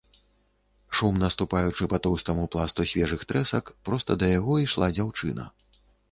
Шумна ступаючы па тоўстаму пласту свежых трэсак, проста да яго ішла дзяўчына.